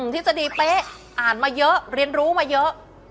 ทฤษฎีเป๊ะอ่านมาเยอะเรียนรู้มาเยอะ